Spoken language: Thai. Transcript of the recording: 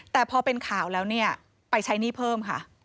แต่พอเป็นข่าวแล้วเนี่ยไปใช้หนี้เพิ่มค่ะ